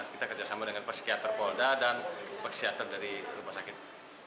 kita kerjasama dengan psikiater polda dan psikiater dari rumah sakit